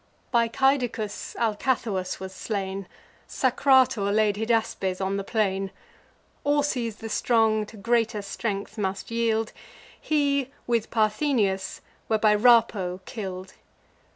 By Caedicus, Alcathous was slain; Sacrator laid Hydaspes on the plain; Orses the strong to greater strength must yield; He, with Parthenius, were by Rapo kill'd.